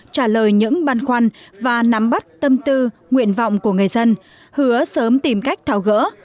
trả lời những băn khoăn và nắm bắt tâm tư nguyện vọng của người dân hứa sớm tìm cách thao gỡ